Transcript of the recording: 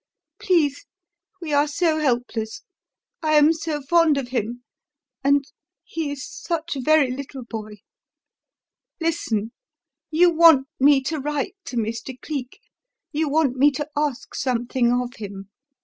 Please! we are so helpless I am so fond of him, and he is such a very little boy. Listen! You want me to write to Mr. Cleek; you want me to ask something of him.